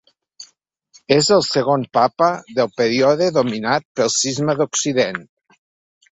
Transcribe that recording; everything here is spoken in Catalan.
És el segon papa del període dominat pel Cisma d'Occident.